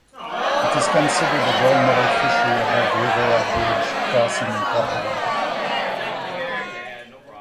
It is considered a gold medal fishery above Rivera Bridge Crossing in Colorado.